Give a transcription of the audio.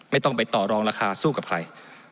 ไม่ต้องไปต่อรองราคาสู้กับใคร